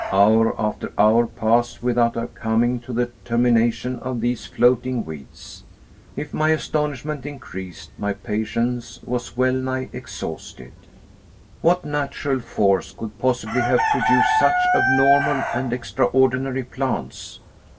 Hour after hour passed without our coming to the termination of these floating weeds. If my astonishment increased, my patience was well nigh exhausted. What natural force could possibly have produced such abnormal and extraordinary plants?